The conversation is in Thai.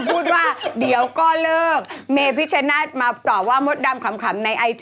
พูดว่าอะไรมดดำพูดว่าอะไร